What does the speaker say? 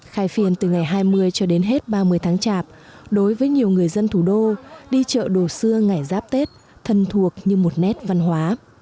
khai phiên từ ngày hai mươi cho đến hết ba mươi tháng chạp đối với nhiều người dân thủ đô đi chợ đồ xưa ngày giáp tết thân thuộc như một nét văn hóa